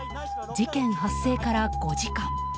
事件発生から５時間。